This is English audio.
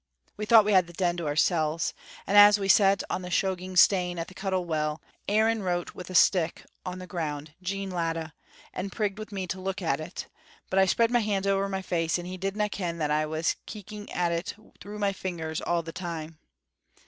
We thought we had the Den to oursel's, and as we sat on the Shoaging Stane at the Cuttle Well, Aaron wrote wi' a stick on the ground 'Jean Latta,' and prigged wi' me to look at it, but I spread my hands ower my face, and he didna ken that I was keeking at it through my fingers all the time.